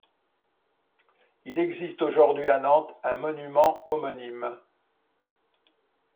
Il existe aujourd'hui à Nantes un monument homonyme.